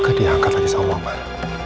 ketia akan disambung pak